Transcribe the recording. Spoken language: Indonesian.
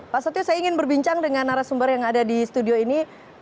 pak setio saya ingin berbincang dengan arah sumber yang ada di studio ini